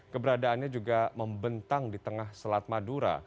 keberadaannya juga membentang di tengah selat madura